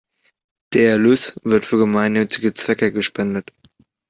Der Erlös wird für gemeinnützige Zwecke gespendet.